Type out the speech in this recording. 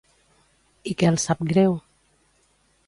I què els sap greu?